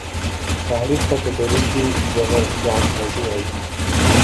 تحریف ته په دري کي جعل سازی وايي.